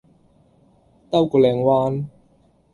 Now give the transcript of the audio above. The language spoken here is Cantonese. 兜個靚彎